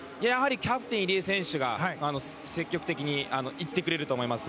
キャプテン、入江選手が積極的に行ってくれると思います。